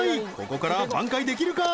ここから挽回できるか？